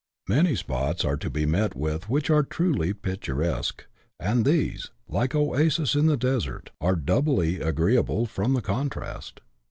Many spots are to be met with which are truly picturesque, and these, like oases in the desert, are doubly agree able, from the contrast.